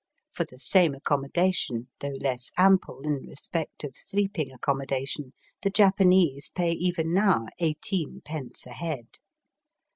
For the same accommodation, though less ample in respect of sleeping accommodation, the Japanese pay even now eighteenpence a head.